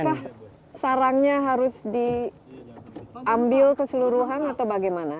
apakah sarangnya harus diambil keseluruhan atau bagaimana